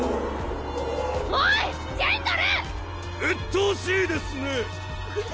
うっとうしいですね！